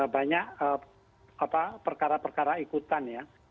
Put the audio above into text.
banyak perkara perkara ikutan ya